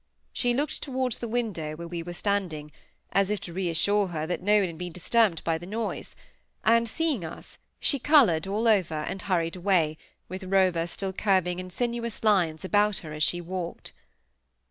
she looked towards the window where we were standing, as if to reassure herself that no one had been disturbed by the noise, and seeing us, she coloured all over, and hurried away, with Rover still curving in sinuous lines about her as she walked.